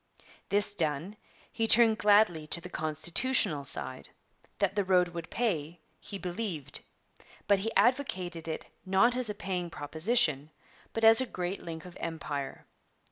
This done, he turned gladly to the constitutional side. That the road would pay, he believed; but he advocated it not as a 'paying proposition,' but as a great link of Empire.